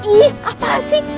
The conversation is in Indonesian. ih apaan sih